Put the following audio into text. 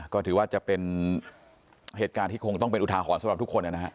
ก็ถือว่าจะเป็นเหตุการณ์ที่คงต้องเป็นอุทาหรณ์สำหรับทุกคนนะครับ